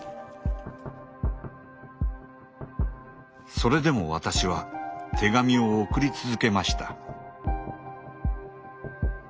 それでも私は手紙を送り続けました。